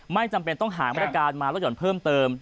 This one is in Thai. ไม่จำเป็นต้องหามาตรการมาลดหย่อนเพิ่มเติม